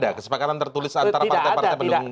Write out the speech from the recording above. tidak ada kesepakatan tertulis antara partai partai penunggu